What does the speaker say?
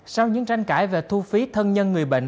sau những tranh cãi về thu phí thân nhân người bệnh